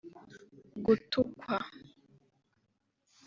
gutukwa